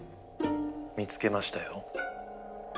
見つけましたよ。